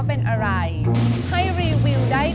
เป็นอะไรให้รีวิวได้